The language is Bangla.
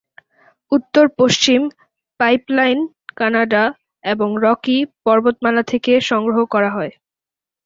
উত্তরপশ্চিম পাইপলাইন কানাডা এবং রকি পর্বতমালা থেকে সংগ্রহ করা হয়।